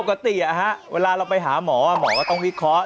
ปกติเวลาเราไปหาหมอหมอก็ต้องวิเคราะห์